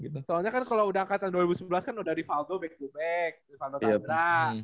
soalnya kan kalo udah angkatan dua ribu sembilan belas kan udah rivaldo back to back rivaldo tandra